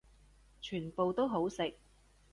全部都好食